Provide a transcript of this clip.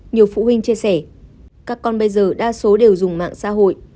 nhiều phụ huynh chia sẻ các con bây giờ đa số đều dùng mạng xã hội